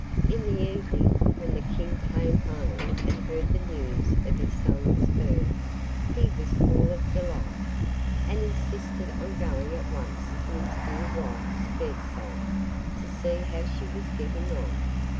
In the evening, when the King came home and heard the news of his son's birth, he was full of delight, and insisted on going at once to his dear wife's bedside to see how she was getting on.